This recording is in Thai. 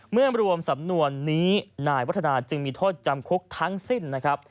เมื่อรวมสำนวนนี้นายวัฒนาจึงมีโทษจำคุกทั้งสิ้นนะครับ